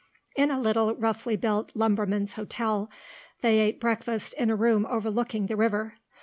In a little roughly built lumberman's hotel they ate breakfast in a room overlooking the river.